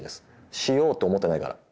しようと思ってないから。